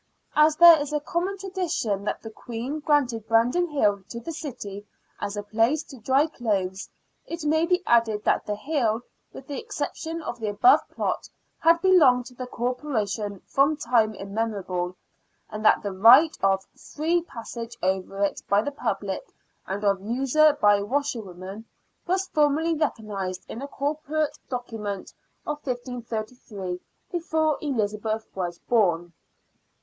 As there is a common tradition that the Queen granted Brandon Hill to the city as a place to dry clothes, it may be added that the hill, with the exception of the above plot, had belonged to the Corporation from time immemorial, and that the right of free passage over it by the public, and of user by washerwomen, was formally recognised in a corporate document of 1533, before Elizabeth was born.